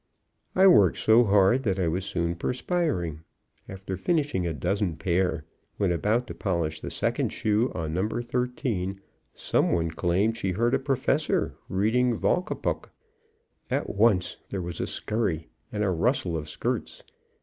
I worked so hard that I was soon perspiring. After finishing a dozen pair, when about to polish the second shoe on number thirteen, someone claimed she heard a professor reading Volapuk. At once there was a scurry, and a rustle of skirts.